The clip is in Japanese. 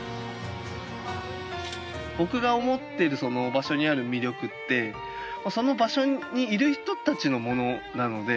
僕が思っているその場所にある魅力ってその場所にいる人たちのものなので。